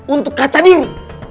untuk kacau diri